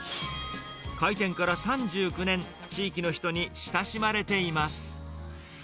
開店から３９年、地域の人に親しまれています。